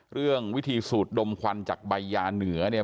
เรื่องวิธีสูดดมควันจากใบยาเหนือเนี่ย